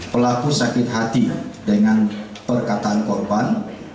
pelaku sakit hati dengan perkataan korban